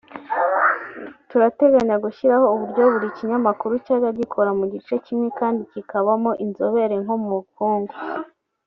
“Turateganya gushyiraho uburyo buri kinyamakuru cyajya gikora mu gice kimwe kandi kikakibamo inzobere nko mu bukungu